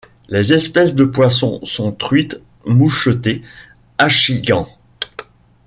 Les espèces de poissons sont truite mouchetée, achigan.